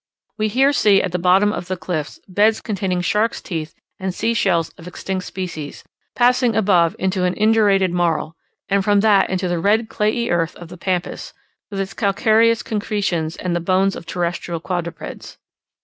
We here see at the bottom of the cliffs, beds containing sharks' teeth and sea shells of extinct species, passing above into an indurated marl, and from that into the red clayey earth of the Pampas, with its calcareous concretions and the bones of terrestrial quadrupeds.